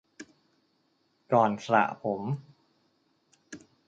ก่อนสระผม